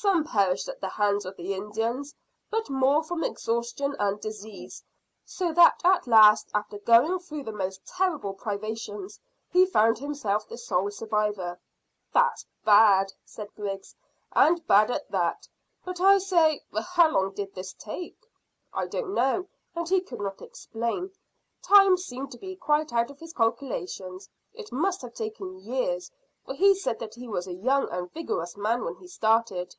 Some perished at the hands of the Indians, but more from exhaustion and disease, so that at last, after going through the most terrible privations, he found himself the sole survivor." "That's bad," said Griggs, "and bad at that. But, I say, how long did this take?" "I don't know, and he could not explain. Time seemed to be quite out of his calculations. It must have taken years, for he said that he was a young and vigorous man when he started."